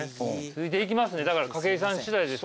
ついていきますねだから筧さん次第ですから。